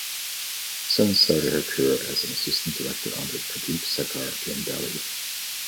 Sen started her career as an assistant director under Pradeep Sarkar in Delhi.